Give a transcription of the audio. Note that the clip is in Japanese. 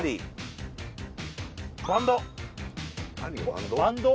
バンド？